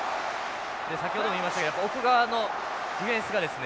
先ほども言いましたけど奥側のディフェンスがですね